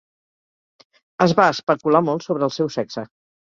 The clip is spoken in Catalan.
Es va especular molt sobre el seu sexe.